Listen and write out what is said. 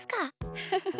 フフフフ。